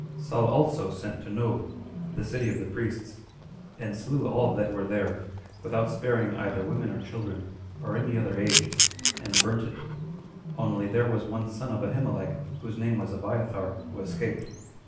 Saul also sent to Nob, 21 the city of the priests, and slew all that were there, without sparing either women or children, or any other age, and burnt it; only there was one son of Ahimelech, whose name was Abiathar, who escaped.